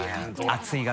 熱い。